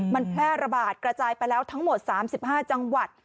มันแพร่ระบาดกระจายไปแล้วทั้งหมด๓๕จังหวัด